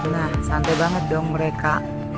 nah santai banget dong mereka